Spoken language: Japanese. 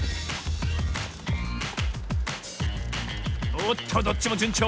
おっとどっちもじゅんちょう。